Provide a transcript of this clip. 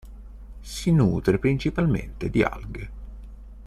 Si nutre principalmente di alghe.